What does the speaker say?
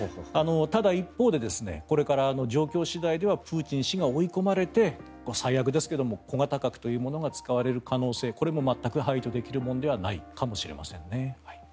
ただ一方でこれから状況次第ではプーチン氏が追い込まれて最悪ですが小型核というものが使われる可能性これも全く排除できるものではないのかもしれませんね。